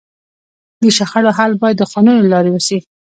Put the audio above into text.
د شخړو حل باید د قانون له لارې وسي.